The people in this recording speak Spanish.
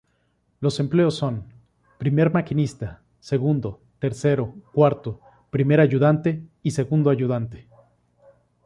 Los empleos son: primer maquinista, segundo, tercero, cuarto, primer ayudante y segundo ayudante.